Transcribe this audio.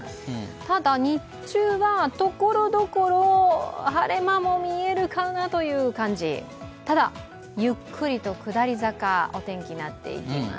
ただ、日中はところどころ、晴れ間も見えるかなという感じ、ただ、ゆっくりとお天気は下り坂になっていきます。